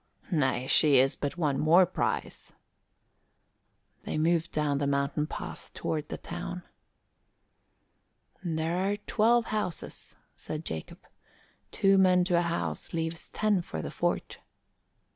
"Nay, she is but one more prize." They moved down the mountain path toward the town. "There are twelve houses," said Jacob. "Two men to a house leaves ten for the fort."